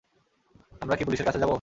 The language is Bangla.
আমরা কি পুলিশের কাছে যাব?